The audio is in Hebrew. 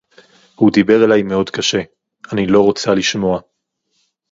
הוא דיבר אלי מאוד קשה: אני לא רוצה לשמוע